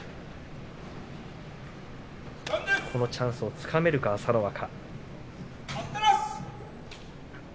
このチャンスをつかめるか朝乃若。